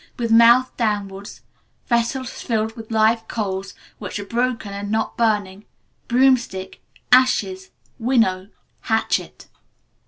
with mouth downwards, vessels filled with live coals, which are broken and not burning, broomstick, ashes, winnow, hatchet."